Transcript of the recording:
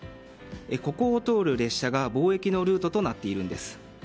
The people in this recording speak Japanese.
ここを通る列車が貿易のルートとなっているんです。